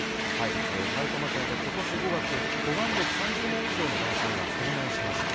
埼玉県で今年５月登山歴３０年以上の男性が遭難しました。